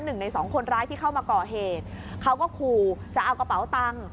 หนึ่งในสองคนร้ายที่เข้ามาก่อเหตุเขาก็ขู่จะเอากระเป๋าตังค์